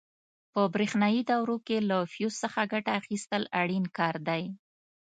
په برېښنایي دورو کې له فیوز څخه ګټه اخیستل اړین کار دی.